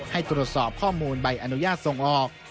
ให้ตรวจสอบข้อมูลใบอนุญาตส่งออก